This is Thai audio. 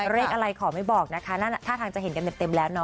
เลขอะไรขอไม่บอกนะคะท่าทางจะเห็นกันเต็มแล้วเนาะ